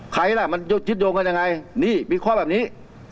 ใครล่ะมันจิตโยงกันยังไงนี่มีข้อแบบนี้